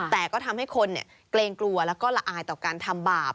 แต่ก็ทำให้คนเกรงกลัวแล้วก็ละอายต่อการทำบาป